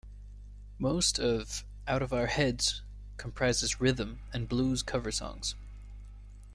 Most of "Out of Our Heads" comprises rhythm and blues cover songs.